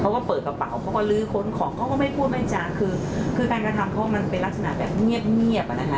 เปิดกระเป๋าเขาก็ลื้อค้นของเขาก็ไม่พูดไม่จางคือคือการกระทำเขามันเป็นลักษณะแบบเงียบเงียบอ่ะนะคะ